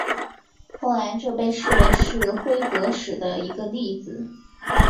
后来这被视为是辉格史的一个例子。